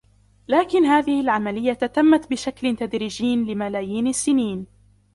لكن هذه العملية تمت بشكل تدريجي لملايين السنين